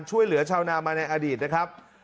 ช่วยเหลือชาวนามาในอดีตนะครับ